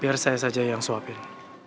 biar saya saja yang suapin